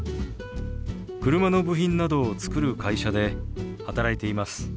車の部品などを作る会社で働いています。